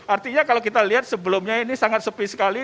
artinya kalau kita lihat sebelumnya ini sangat sepi sekali